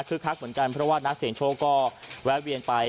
คือคักเหมือนกันเพราะว่านักเสียงโชคก็แวะเวียนไป